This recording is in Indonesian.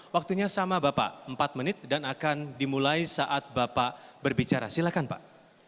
waktunya sama bapak empat menit dan akan dimulai saat bapak berbicara silakan pak